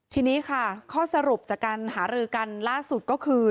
ทีนี้ค่ะข้อสรุปจากการหารือกันล่าสุดก็คือ